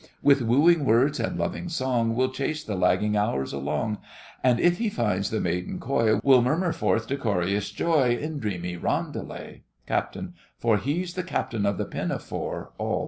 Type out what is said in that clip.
With wooing words and loving song, We'll chase the lagging hours along, And if { he finds } the maiden coy, I find We'll murmur forth decorous joy, In dreamy roundelay. CAPT. For he's the Captain of the Pinafore. ALL.